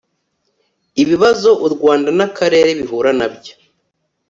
ibibazo u Rwanda n akarere bihura na byo